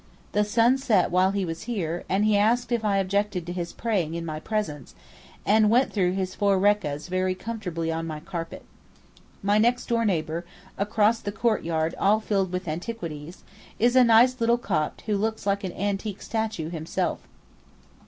The sun set while he was here, and he asked if I objected to his praying in my presence, and went through his four rekahs very comfortably on my carpet. My next door neighbour (across the courtyard all filled with antiquities) is a nice little Copt who looks like an antique statue himself.